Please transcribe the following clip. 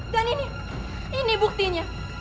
dan ini ini buktinya